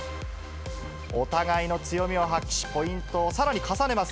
お互いの強みを発揮し、ポイントをさらに重ねます。